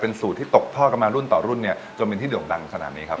สูตรที่ตกทอดกันมารุ่นต่อรุ่นเนี่ยจนเป็นที่โด่งดังขนาดนี้ครับ